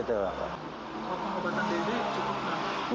kalau pengobatan dede cukup nggak